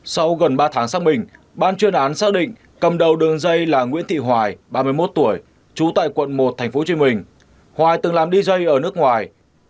sau gần ba tháng xác bình ban chuyên án xác định cầm đầu đường dây là nguyễn thị hoài ba mươi một tuổi trú tại quận một tp hcm hoài từng làm dj ở nước ngoài